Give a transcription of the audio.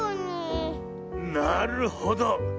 なるほど。